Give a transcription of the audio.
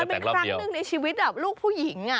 เป็นครั้งหนึ่งในชีวิตลูกผู้หญิง